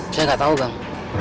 saya gak tau bang